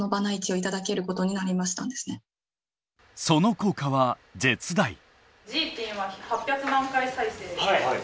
その効果は絶大！